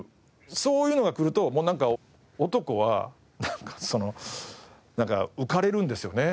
そういうのがくるともうなんか男はなんかその浮かれるんですよね。